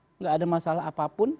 tidak ada masalah apapun